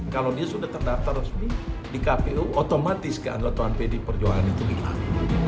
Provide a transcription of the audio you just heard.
kalau dia sudah terdaftar resmi di kpu otomatis keandalan tuan pedi perjuangan itu hilang